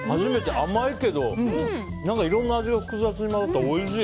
甘いけど、いろんな味が複雑に混ざっておいしい。